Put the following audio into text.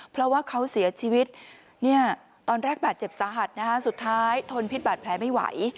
เพราะว่าเขาเสียชีวิตตอนแรกบาดเจ็บสาหัสสุดท้ายทนพิษบาดแผลไม่ไหว